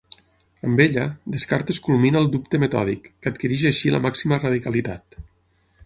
Amb ella, Descartes culmina el dubte metòdic, que adquireix així la màxima radicalitat.